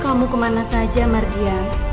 kamu kemana saja mardian